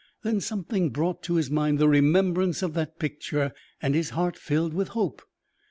Then something brought to his mind the remembrance of that picture, and his heart filled with hope.